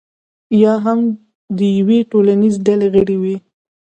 یا هم د یوې ټولنیزې ډلې غړی وي.